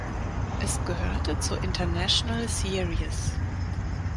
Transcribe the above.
Es gehörte zur International Series.